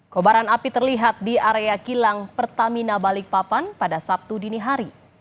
kobaran api terlihat di area kilang pertamina balikpapan pada sabtu dini hari